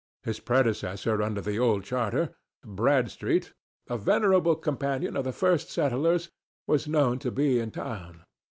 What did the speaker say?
His predecessor under the old charter, Bradstreet, a venerable companion of the first settlers, was known to be in town.